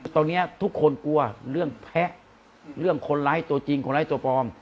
ตอนนี้ทุกคนกลัวเรื่องแพ้เรื่องคนร้ายตัวจริงคนร้ายตัวปลอม